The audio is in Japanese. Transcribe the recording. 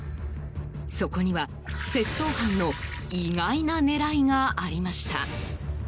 そこには窃盗犯の意外な狙いがありました。